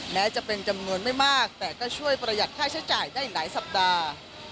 แม้จะเป็นจำนวนไม่มากแต่ก็ช่วยประหยัดค่าใช้จ่ายได้หลายสัปดาห์